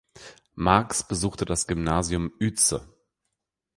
Marx besuchte das Gymnasium Uetze.